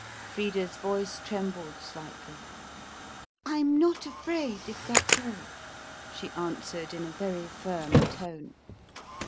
Frida's voice trembled slightly. "I'm not afraid, if that's all," she answered in a very firm tone.